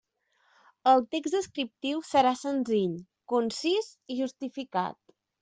El text descriptiu serà senzill, concís i justificat.